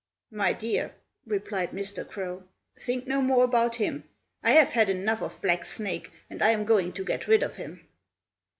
"My dear," replied Mr. Crow, "think no more about him. I have had enough of Black Snake, and I am going to get rid of him."